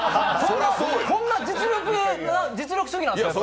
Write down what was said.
こんな実力主義なんですね。